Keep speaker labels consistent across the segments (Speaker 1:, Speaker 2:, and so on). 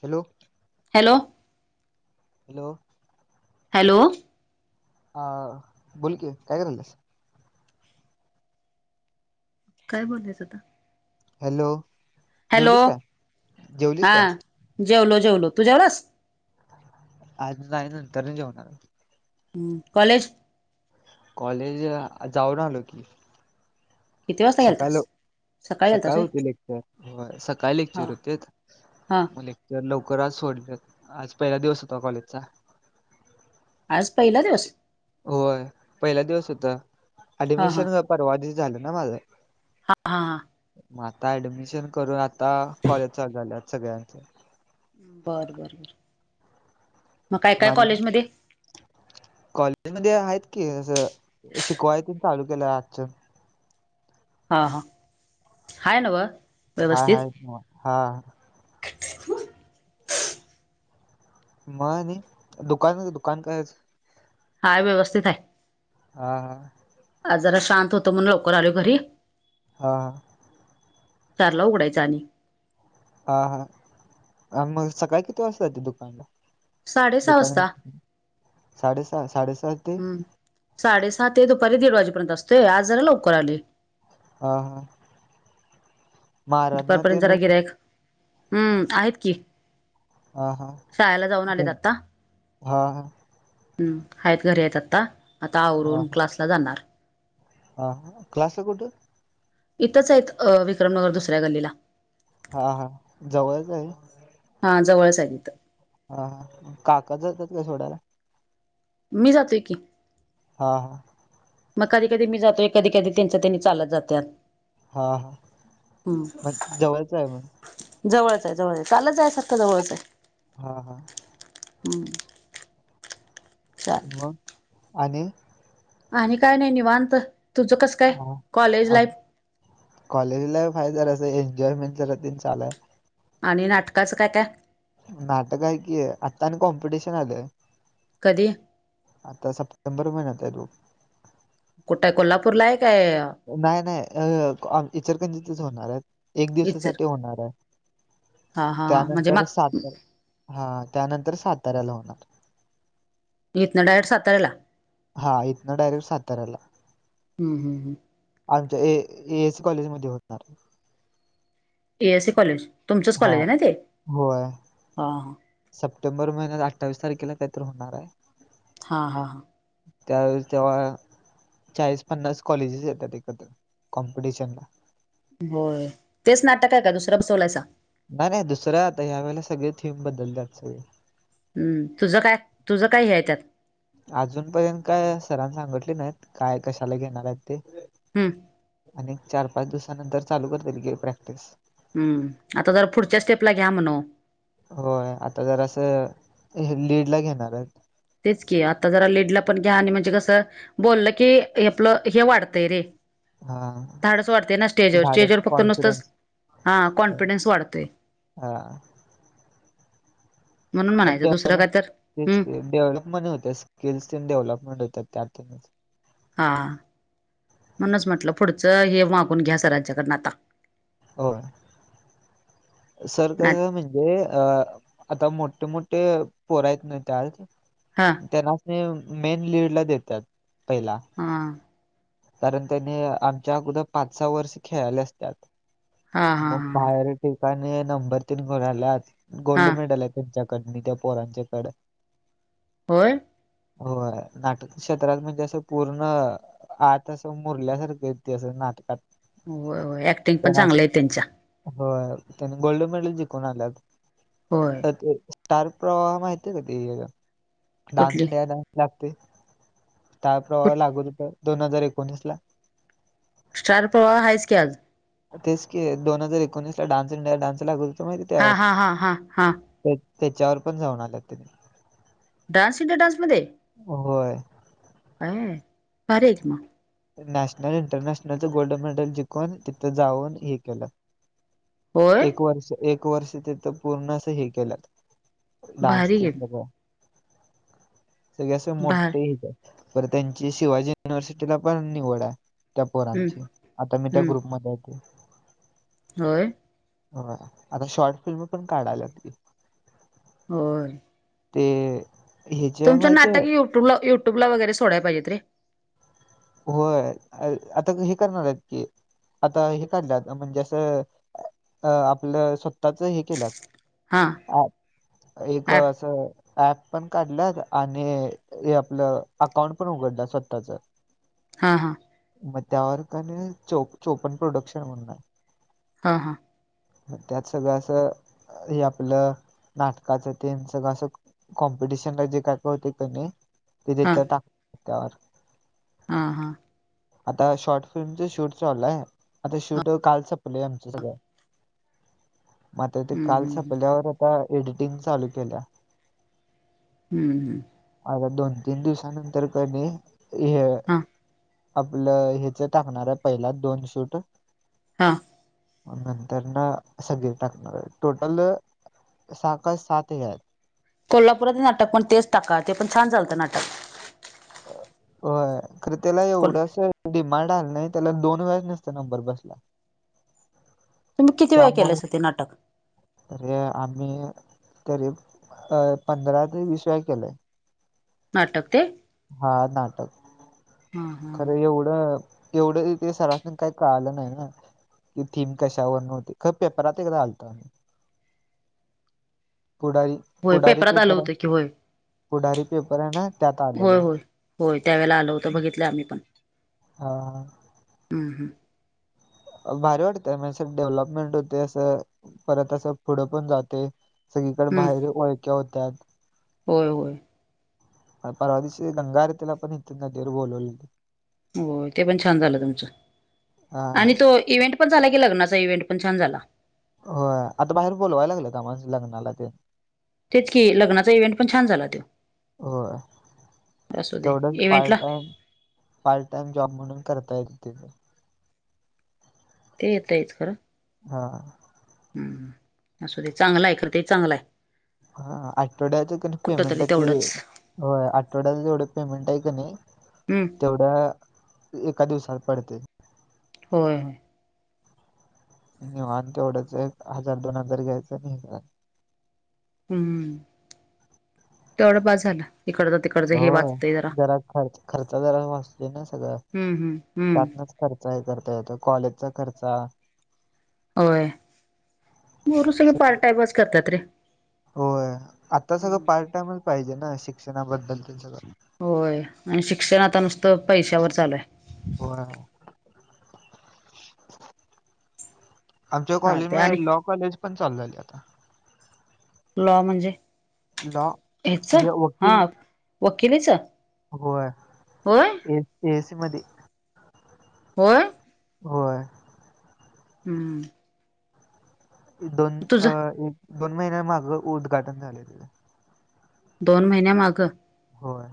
Speaker 1: Hello.
Speaker 2: Hello.
Speaker 1: Hello.
Speaker 2: Hello.
Speaker 1: अ बोलकी. काय करालीस.
Speaker 2: काय बोलूयात आता.
Speaker 1: हॅलो.
Speaker 2: हॅलो
Speaker 1: जेवलीस काय. जेवलीस
Speaker 2: हा
Speaker 1: काय.
Speaker 2: जेवलो जेवलो. तू जेवलास.
Speaker 1: आज नाही नंतरन जेवणार.
Speaker 2: ह कॉलेज.
Speaker 1: कॉलेज, जाऊन आलो की.
Speaker 2: किती वाजता
Speaker 1: सकाळलो.
Speaker 2: गेलतास सकाळी गेलतास
Speaker 1: सकाळ
Speaker 2: होय
Speaker 1: होते लेक्चर. सकाळ
Speaker 2: हा
Speaker 1: लेक्चर होतेत.
Speaker 2: हा
Speaker 1: जर लवकर आच सोड. आज पहिला दिवस होता. कॉलेजचा.
Speaker 2: आज पहिला दिवस.
Speaker 1: होय पहिला दिवस होता.
Speaker 2: हा हा
Speaker 1: ऍडमिशनच परवा दिवस झालं ना माझं.
Speaker 2: हा हा
Speaker 1: मग आता ऍडमिशन करून. आता कॉलेज चालू झाल सगळ्यांच.
Speaker 2: बर बर बर, म काय काय कॉलेज मध्ये.
Speaker 1: कॉलेज मध्ये आहेत की, अस शिकवाय चालू केलं आजच्या
Speaker 2: हां हां आहे नव्ह
Speaker 1: हाय
Speaker 2: व्यवस्थित
Speaker 1: हाय हा
Speaker 2: [inaudible]
Speaker 1: मग नाही दुकान दुकान कायच.
Speaker 2: हाय व्यवस्थित आहे.
Speaker 1: हा हा
Speaker 2: आ जरा शांत होतो म्हणून लवकर आलो घरी
Speaker 1: हा हा
Speaker 2: चारला उघायचा आणि
Speaker 1: हा हा आणि मग सकाळी किती वाजत दुकानला
Speaker 2: साडे सहा
Speaker 1: दुकान
Speaker 2: वाजता
Speaker 1: साडेसहा साडेसात
Speaker 2: हम्म साडेसात ते दुपारी दीड वाजेपर्यंत असतोय, आज जरा लवकर आलोय.
Speaker 1: हा हा [unintelligible]
Speaker 2: दुपारपर्यंत
Speaker 1: तेन
Speaker 2: जरा गिराइक, हम्म आहेत की.
Speaker 1: हा हा
Speaker 2: शाळेला जाऊन आलेत
Speaker 1: तेन
Speaker 2: आता.
Speaker 1: हा हा
Speaker 2: हम् आहेत, घरी आहेत आता. आता
Speaker 1: हा
Speaker 2: आवरून क्लासला जाणार.
Speaker 1: हा क्लासला कुठं
Speaker 2: इथंच आहेत. विक्रमनगर दुसऱ्या गल्लीला
Speaker 1: हा हा जवळच आहे.
Speaker 2: हा जवळच आहे इथं.
Speaker 1: हा हा काका जातात का सोडायला?
Speaker 2: मी जातोय की.
Speaker 1: हा हा.
Speaker 2: मग कधी कधी मी जातोय कधी कधी त्यांच्या त्यांनी चालत जातात.
Speaker 1: हा हा मग जवळचं आहे मण
Speaker 2: जवळच आहे जवळ आहे चालत जायासारखं जवळच आहे.
Speaker 1: हा हा.
Speaker 2: [unintelligible] हम्म चाल.
Speaker 1: मग आणि.
Speaker 2: आणि काय नाही निवांत तुझं कस.
Speaker 1: ह कॉलेजला हाय जरा अस एन्जॉयमेंट जरास चालू हाय
Speaker 2: आणि नाटकाचं काय काय.
Speaker 1: नाटक आहे की, आत्ता आणि कॉम्पिटिशन आलंय.
Speaker 2: कधी?
Speaker 1: आता सप्टेंबर महिन्यात आहे. बहू
Speaker 2: कुठे कोल्हापूरला आहे काय?
Speaker 1: नाही नाही इचलकरंजीतच होणार आहे. एक
Speaker 2: इचर
Speaker 1: दिवसासाठी होणार आहे.
Speaker 2: हा हा हा म्हणजे
Speaker 1: त्यानंतर
Speaker 2: मग
Speaker 1: सात हा त्यानंतर साताऱ्याला होणार आहे.
Speaker 2: हितन डायरेक्ट साताऱ्याला.
Speaker 1: हा हितन डायरेक्ट साताऱ्याला.
Speaker 2: हम्म हम्म
Speaker 1: आमच्या ए ए एससी कॉलेजमध्ये होणार.
Speaker 2: ए एस सी कॉलेज तुमचच
Speaker 1: हा
Speaker 2: कॉलेज आहे ना ते
Speaker 1: होय सप्टेंबर महिन्यात अठ्ठावीस तारखेला कधी तर होणार आहे.
Speaker 2: हां हां हां.
Speaker 1: त्यावेळेस तेव्हा चाळीस पन्नास कॉलेजेस येतात, एकदम कॉम्पिटिशन ला.
Speaker 2: होय तेच नाटक आहे का दुसरा बसवलायसा.
Speaker 1: नाही नाही दुसरं आता या वेळेला सगळे थीम बदललेत सगळे,
Speaker 2: हम्म तुझं काय तुझं काय हे येच्यात.
Speaker 1: अजून पर्यंत काय सरांन सांगितले नाहीत काय कशाला घेणार आहेत ते
Speaker 2: हम्म
Speaker 1: आणि चार पाच दिवसानंतर चालू करतील की प्रॅक्टिस.
Speaker 2: हम्म आता जरा पुढच्या स्टेपला घ्या म्हणाओ.
Speaker 1: हो आता जरास हे लीड ला घेणार आहेत.
Speaker 2: तेच की आता जरा लीडला पण घ्या आणि म्हणजे कसं बोलल की हे आपलं हे वाढतंय रे.
Speaker 1: हा
Speaker 2: धाडच वाढते ना स्टेजवर
Speaker 1: धाडस
Speaker 2: स्टेजवर फक्त नुसतंच
Speaker 1: कॉन्फिडन्स
Speaker 2: हा कॉन्फिडन्स वाढतय.
Speaker 1: हा.
Speaker 2: म्हणून म्हणायचं दुसरं
Speaker 1: डेव्हलप
Speaker 2: काय तर
Speaker 1: [unintelligible]
Speaker 2: हम्म
Speaker 1: तेचकी डेव्हलपमें होत स्किल्स डेव्हलपमेंट होतं त्यातूनच.
Speaker 2: हा म्हणूनच म्हटलं पुढचं हे मागून घ्या सरांच्या कडन आता.
Speaker 1: हो. सर
Speaker 2: ना
Speaker 1: कसं म्हणजे अ आता मोठे मोठे पोर आहेत ना त्यात
Speaker 2: हा.
Speaker 1: त्यांनाच मेन लीडला देतात पहिला
Speaker 2: हा
Speaker 1: कारण त्यानी आमच्या अगोद पाच सहा वर्ष खेळाले असत्यात.
Speaker 2: हा हा हा
Speaker 1: मग बाहेर ठिकाणी नंबर तीन बघाल्यात
Speaker 2: हा
Speaker 1: गोल्ड मेडल आहेत. त्यांच्याकडणी त्या पोरांच्याकड
Speaker 2: होय.
Speaker 1: होय नाटक क्षेत्रात म्हणजे असं पूर्ण आता असं मुरल्यासारखं इतिहास ये नाटकात.
Speaker 2: व्हय व्हय ऍक्टिंग पण
Speaker 1: त्यांना
Speaker 2: चांगलं
Speaker 1: असं-
Speaker 2: आहे त्यांच्या.
Speaker 1: होय त्यांनी गोल्ड मेडल जिकून आल्यात.
Speaker 2: होय.
Speaker 1: तर ते स्टार प्रवाहा माहिती का ते डान्स
Speaker 2: कुठली
Speaker 1: इंडिया ना डान्स लागते स्टार प्रवाहवर लागत होत दोन हजार एकोणीसला
Speaker 2: स्टार प्रवाह हायचं की अजून.
Speaker 1: तेच की दोन हजार एकोणीसला डान्स इंडिया डान्स लागत होत माहिती
Speaker 2: हा
Speaker 1: त्यावर.
Speaker 2: हा हा हा हा
Speaker 1: ते त्याच्यावर पण जाऊन आल्यात तेन.
Speaker 2: डान्स इंडिया डान्समध्ये?
Speaker 1: व्हय.
Speaker 2: व्हय भारी आहे की मग.
Speaker 1: नॅशनल इंटरनॅशनलचं गोल्ड मेडल जिकून तिथं जाऊन हे केलं.
Speaker 2: होय.
Speaker 1: एक वर्ष एक वर्ष ते तर पूर्ण अस हे केलंत डान्स.
Speaker 2: भारी आहे
Speaker 1: [unintelligible] सगळे असे मोठ
Speaker 2: भारी
Speaker 1: देतात त्यांची शिवाजी युनिव्हर्सिटीला पण निवड आहे. त्या
Speaker 2: हम्म
Speaker 1: पोरांची आता मी त्या ग्रुप
Speaker 2: हम्म
Speaker 1: मध्ये आहे ते.
Speaker 2: होय.
Speaker 1: होय आता शॉर्ट फिल्म पण काढालायेत की.
Speaker 2: होय.
Speaker 1: ते ह्याची आहे
Speaker 2: तुमं
Speaker 1: माहितीय
Speaker 2: नाटक युट्यूब ला युटूब ला वगैरे सोडय पाहिजे रे.
Speaker 1: होय अ आता हे करणार आहेत की. आता हे काढल्यात म्हणजे असं अ आपलं स्वतःच हे केल्यात.
Speaker 2: हा.
Speaker 1: ॲप एक
Speaker 2: ऍप
Speaker 1: असं ॲप पण काढलंत आणि हे आपलं अकाउंट पण उघडलं स्वतःच.
Speaker 2: हा हा.
Speaker 1: मग त्यावर का नाही चो चोपन प्रोडक्शन होणार.
Speaker 2: हा हा.
Speaker 1: मग त्यात सगळं अस, हे आपलं. नाटकाच तेन सगळं असं कॉम्पिटिशनला, जे काय कळतंय क नाही. ते तेथ टाक त्यावर.
Speaker 2: हां, हां.
Speaker 1: आता शॉर्ट फिल्मच शूट चालूय. आता शूट काल संपलंय आमचं सगळं. मा त्ते
Speaker 2: हम्म
Speaker 1: काल
Speaker 2: हम्म
Speaker 1: संपल्यावर आता, एडिटिंग चालू केल्या.
Speaker 2: हम्म, हम्.
Speaker 1: आता दोन - तीन दिवसानंतर, कनि. हे
Speaker 2: हां.
Speaker 1: आपलं. ह्याच टाकणारय. पहिला दोन शूट.
Speaker 2: हा.
Speaker 1: नंतर न, सगळे टाकणार आहे. टोटल, सहा का सात हे आहेत.
Speaker 2: कोल्हापुरात नाटक पण तेच टाका. ते पण छान चालतं नाटक.
Speaker 1: होय. खर त्याला
Speaker 2: कोल
Speaker 1: एवढंस डिमांड आला नाही. त्याला दोन वेळा नसत नंबर बसला.
Speaker 2: तुम्ही किती वेळ अस ते, नाटक?
Speaker 1: तरी आम्ही, तरी अ पंधरा ते वीस वेळा केलय.
Speaker 2: नाटक, ते!
Speaker 1: हा, नाटक.
Speaker 2: हा हा ह
Speaker 1: खरं, एवढं. एवढं ते सरस न काही कळालं नाही ना. कि थीम कशावर नव्हती. ख पेपरात एकदा आलतं. पुढारी-
Speaker 2: होय
Speaker 1: पुढारी
Speaker 2: पेपरात आलं
Speaker 1: पेपर हाय,
Speaker 2: होतं की होय
Speaker 1: पुढारी पेपर आहे ना. त्यात
Speaker 2: होय-
Speaker 1: आलेलं
Speaker 2: होय. होय. त्यावेेळेला आलं होतं. बघितलं आम्ही पण.
Speaker 1: हा.
Speaker 2: अहं.
Speaker 1: भारी वाटतेय. म्हणजे असं डेव्हलपमेंट होते. असं, परत असं पुढं पण जाते. सगळीकडे
Speaker 2: हम्म
Speaker 1: बाहेर ही ओळख्या होत्यात.
Speaker 2: होय, होय.
Speaker 1: परवा दिशी, गंगाारेतीला पण इथे, नदीवर बोलवलेल.
Speaker 2: हो. ते पण छान झालं तुमचं.
Speaker 1: हा
Speaker 2: आणि तो इव्हेंट पण झाला की, लग्नाचा. इव्हेंट पण छान झाला.
Speaker 1: होय. आता बाहेर बोलवायला लागलेत, आम्हाला. असं लग्नाला न ते.
Speaker 2: तेच कि, लग्नाचा इव्हेंट पण छान झाला तो.
Speaker 1: होय
Speaker 2: असू दे.
Speaker 1: तेवढंच पार्ट
Speaker 2: इव्हेंटला
Speaker 1: टाइम पार्ट टाइम जॉब म्हणून. करता येईल तिथं.
Speaker 2: ते येतयच खरं.
Speaker 1: हा.
Speaker 2: हम्. असू दे. चांगलाय. खरं ते चांगलंय.
Speaker 1: हा आठवड्याच क नाही पेमेंट
Speaker 2: तरी
Speaker 1: हाय ती.
Speaker 2: तेवढंच
Speaker 1: होय. आठवड्याच जेवढं पेमेंट हाय का नाही
Speaker 2: हम्म
Speaker 1: तेवढ्या. एका दिवसात पडतय.
Speaker 2: होय.
Speaker 1: निवांत तेवढंचय. हजार - दोन हजार घ्यायचं. [unintelligible]
Speaker 2: हम्म. तेवढ बास झाला.
Speaker 1: होय. जरा खर्च- खर्च जरा वाचतोयना सगळा,
Speaker 2: हम्म हम्म हम्म
Speaker 1: त्यातनच. खर्च हे करता येतो. कॉलेजचा खर्चा
Speaker 2: होय. पोरं सगळे, पार्ट टाइमच करतात रे.
Speaker 1: होय. आताचा त
Speaker 2: हम्म
Speaker 1: पार्ट टाइमच पाहिजे ना. शिक्षणाबद्दल ते सगळं.
Speaker 2: होय. आण शिक्षण आता नुसतं, पैशावर चालूय.
Speaker 1: होय. आमच्या कॉलेज
Speaker 2: चालते आणि
Speaker 1: मध्ये, लॉ कॉलेज पण चालू झालंय आता.
Speaker 2: लॉ म्हणजे.
Speaker 1: लॉ
Speaker 2: हेच.
Speaker 1: हे
Speaker 2: हा,
Speaker 1: वकील
Speaker 2: वकिलीच?
Speaker 1: होय.
Speaker 2: होय
Speaker 1: ए एसी मदी.
Speaker 2: हो
Speaker 1: होय
Speaker 2: हम्म
Speaker 1: दोन
Speaker 2: तुझ
Speaker 1: अ एक दोन महिन्या माग उद्घाटन झालयं त्यांच
Speaker 2: दोन महिन्या मागं.
Speaker 1: होय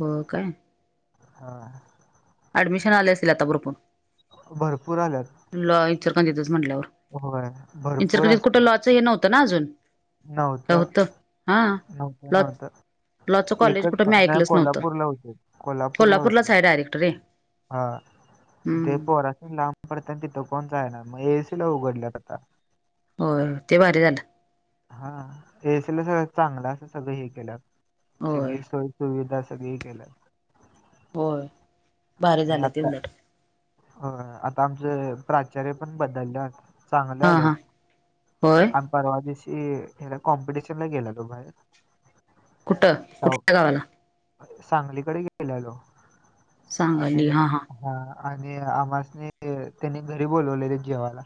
Speaker 2: हो काय
Speaker 1: हा
Speaker 2: ऍडमिशन आले असतील भरपूर.
Speaker 1: भरपूर आल्यात.
Speaker 2: लॉ इचलकरंजीत म्हटल्यावर
Speaker 1: होय भरपूर
Speaker 2: इचलकरंजीत कुठं लॉच हे नव्हतं ना अजून.
Speaker 1: नव्हत
Speaker 2: काय होतं हा
Speaker 1: नव्हतं
Speaker 2: लॉ लॉचं
Speaker 1: नव्हतं.
Speaker 2: कॉलेज
Speaker 1: एकच
Speaker 2: कुठं मी ऐकलंच नव्हतं
Speaker 1: कोल्हापूरला होत कोल्हापूरला होत ते
Speaker 2: कोल्हापूरलाच आहे डायरेक्ट रे
Speaker 1: हा ते
Speaker 2: हम्म
Speaker 1: पोरांनी लांब पडते न तिथं कोण जाईना मग एसी ला उघडल्या आता
Speaker 2: बर ते भारी झालं.
Speaker 1: हा एसल सगळ चांगलं असं सगळं हे केलं.
Speaker 2: होय
Speaker 1: सगळी सोय सुविधा सगळी ही केल्या.
Speaker 2: होय भारी
Speaker 1: आणि
Speaker 2: झालं ते
Speaker 1: आता
Speaker 2: उलट
Speaker 1: आमचे आमचं प्राचार्य पण बदललेता. चांगल्या
Speaker 2: हा हा
Speaker 1: आल्यात
Speaker 2: होय
Speaker 1: आण परवा दिशी कॉम्पिटिशन ला गेला होता बाहेर.
Speaker 2: कुठं कुठल्या गावाला
Speaker 1: सांगलीकड गेलेलो आणि
Speaker 2: सांगली हा
Speaker 1: हा आणि आम्हासनी त्यांनी घरी बोलवलेल जेवाला.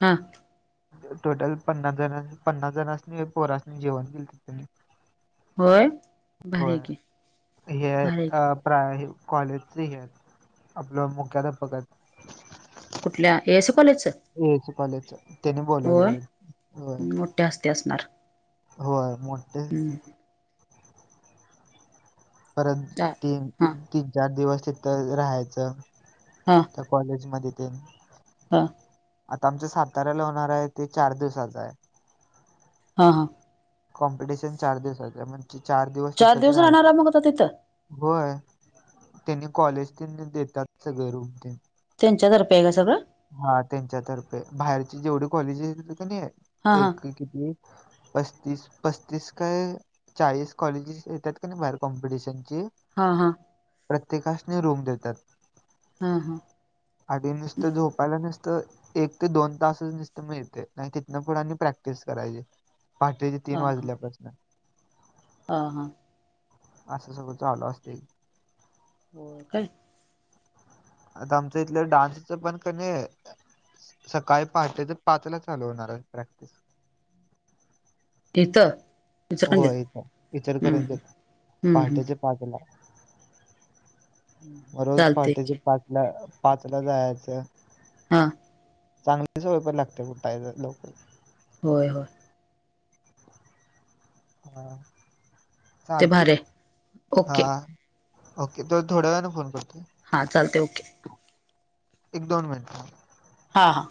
Speaker 2: हां
Speaker 1: टोटल पन्नास जण पन्नास जणसनी पोरसनी जेवण केलत त्यांनी
Speaker 2: होय भारीय की भारी की
Speaker 1: प्राय कॉलेजच हे आहे आपलं मुख्याधपक
Speaker 2: कुठल्या एसी कॉलेजचं.
Speaker 1: एयसी कॉलेज त्यानी बोलवलेले.
Speaker 2: जास्ती असणार
Speaker 1: होय मोठ्या
Speaker 2: हम्म.
Speaker 1: परत
Speaker 2: चा
Speaker 1: तीन
Speaker 2: हां
Speaker 1: तीन चार दिवस तिथ राहायचं.
Speaker 2: हां
Speaker 1: तर कॉलेजमध्ये त्यांच्या
Speaker 2: हां
Speaker 1: आता आमच्या साताऱ्याला होणार आहे ते चार दिवसाचय.
Speaker 2: हा हां
Speaker 1: कॉम्पिटिशन चार दिवसाचिय म्ह ती चार दिवस
Speaker 2: चार
Speaker 1: तिथंच
Speaker 2: दिवस
Speaker 1: राहायचं
Speaker 2: राहणार मग आता तिथं.
Speaker 1: होय त्यांनी कॉलेज ते देतात सगळे रूम ते
Speaker 2: त्यांच्या तर्फे आहे का सगळं.
Speaker 1: हा त्यांच्यातर्फे बाहेरची जेवढी कॉलेजेस येतेत कनय
Speaker 2: हां
Speaker 1: एक क
Speaker 2: हां
Speaker 1: किती पस्तीस पस्तीस काय? चाळीस कॉलेजेस येतात कीनय बाहेर कॉम्पिटिशनची.
Speaker 2: हा हा
Speaker 1: प्रत्येकासने रूम देतात.
Speaker 2: हा हा
Speaker 1: आणि नुसतं झोपायला नुसतं. एक ते दोन तास दिसत मिळते नाही तिथन पनी प्रॅक्टिस करायची पाठीची. तीन वाजल्या पासून
Speaker 2: हा हां
Speaker 1: असं सगळं चालू असते
Speaker 2: अय
Speaker 1: आता आमचं इथलं डान्सचं पण क नाही सकाळी पाहाटे तर पाच ला चालू होणार आहे प्रॅक्टिस
Speaker 2: येत
Speaker 1: हो इ तर विचार करयचे
Speaker 2: हम्म, हम्म.
Speaker 1: पहाटेचे पाच ला रोज
Speaker 2: चालतंय
Speaker 1: पहाट्याचे
Speaker 2: की
Speaker 1: पाचला पाचला जायचं
Speaker 2: हा
Speaker 1: चांगलीच वयपर लागते कुठ लोकल
Speaker 2: होय हो
Speaker 1: ह
Speaker 2: ते
Speaker 1: चालते
Speaker 2: भारी आहे
Speaker 1: हा
Speaker 2: ओके
Speaker 1: ओके तो थोड्या वेळाने फोन करतो
Speaker 2: हा चालते ओके
Speaker 1: एक दोन मिनट
Speaker 2: हां हां